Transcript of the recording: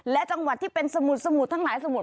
และจังหวัดที่เป็นสมุดสมุดทั้งหลายสมุด